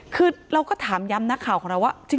คือเราก็ถามย้ำนักข่าวของเราว่า